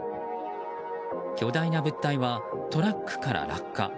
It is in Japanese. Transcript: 巨大な物体はトラックから落下。